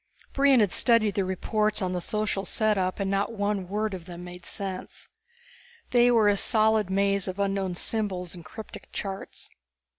Brion had studied the reports on the social setup and not one word of them made sense. They were a solid maze of unknown symbols and cryptic charts.